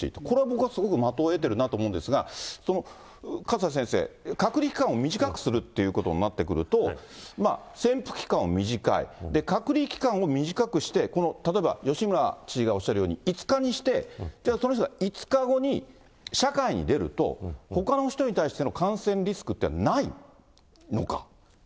これ、僕はすごく的を得てるなと思うんですが、勝田先生、隔離期間を短くするということになってくると、潜伏期間は短い、で、隔離期間を短くして、この例えば、吉村知事がおっしゃるように、５日にして、じゃあ、その人が５日後に社会に出ると、ほかの人に対しても感染リスクというのはないのか。